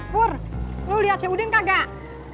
pur lu liat si udin kagak